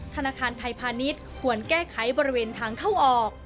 ธนาคารไทยพาณิชย์ควรแก้ไขบริเวณทางเข้าออก